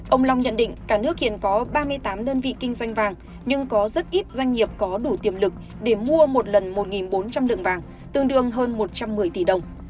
ông long nhận định cả nước hiện có ba mươi tám đơn vị kinh doanh vàng nhưng có rất ít doanh nghiệp có đủ tiềm lực để mua một lần một bốn trăm linh lượng vàng tương đương hơn một trăm một mươi tỷ đồng